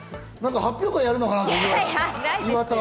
発表会やるのかなと思った。